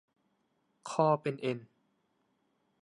คอเป็นเอ็น